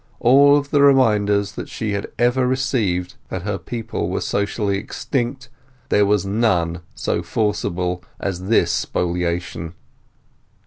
Of all the reminders that she had ever received that her people were socially extinct, there was none so forcible as this spoliation.